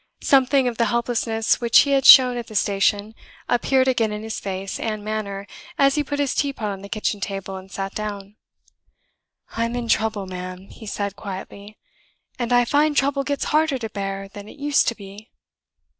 Something of the helplessness which he had shown at the station appeared again in his face and manner as he put his teapot on the kitchen table and sat down. "I'm in trouble, ma'am," he said, quietly; "and I find trouble gets harder to bear than it used to be."